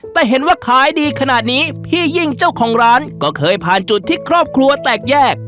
แต่เห็นว่าขายดีขนาดนี้พี่ยิ่งเจ้าของร้านก็เคยผ่านจุดที่ครอบครัวแตกแยก